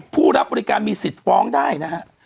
ผู้รับบริการมีสิทธิ์ฟ้องได้นะฮะ